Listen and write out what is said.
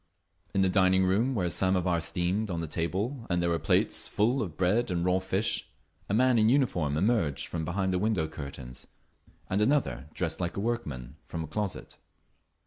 In the dining room, where a samovar steamed on the table and there were plates full of bread and raw fish, a man in uniform emerged from behind the window curtains, and another, dressed like a workman, from a closet.